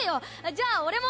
じゃあ俺も。